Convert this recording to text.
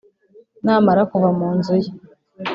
namara kuva munzu ye